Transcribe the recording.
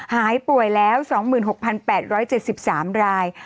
หายป่วยแล้ว๒๖๘๗๓ราย